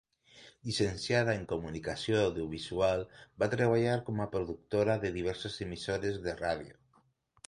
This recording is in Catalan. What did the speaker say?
Llicenciada en Comunicació Audiovisual, va treballar com a productora de diverses emissores de ràdio.